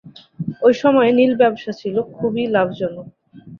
ঐ সময়ে নীল ব্যবসা ছিলো খুবই লাভজনক।